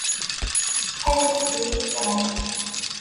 Ay ass fell-i yefran.